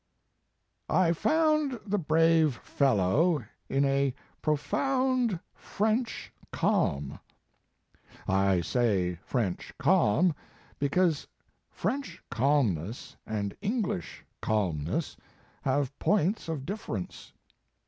1 I found the brave fellow in a pro found French calm. I say French cairn, because French calmness and English calmness have points of difference.